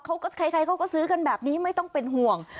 ใครเขาก็ซื้อกันแบบนี้ไม่ต้องเป็นห่วง